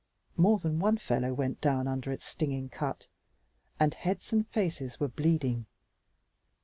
More than one fellow went down under its stinging cut, and heads and faces were bleeding.